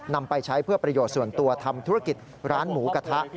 นำไปใช้เพื่อประโยชน์ส่วนตัวทำธุรกิจร้านหมูกระทะ